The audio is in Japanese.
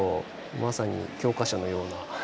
まさに教科書のような。